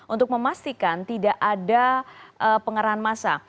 untuk memastikan tidak ada pengerahan masa